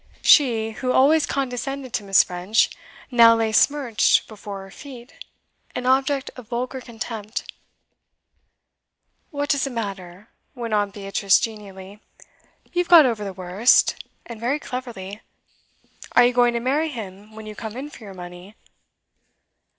She, who always condescended to Miss. French, now lay smirched before her feet, an object of vulgar contempt. 'What does it matter?' went on Beatrice genially. 'You've got over the worst, and very cleverly. Are you going to marry him when you come in for your money?